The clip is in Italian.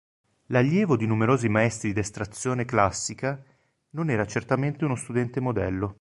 Allievo di numerosi maestri d’estrazione classica, non era certamente uno studente modello.